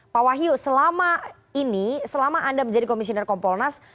pak wahyu selama ini selama anda menjadi komisioner kompolnas